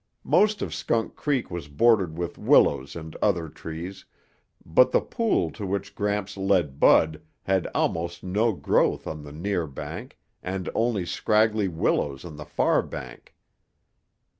Most of Skunk Creek was bordered with willows and other trees, but the pool to which Gramps led Bud had almost no growth on the near bank and only scraggly willows on the far bank.